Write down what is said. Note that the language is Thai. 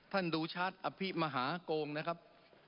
ท่านดูชาร์จอภิมฮาโกงนะครับ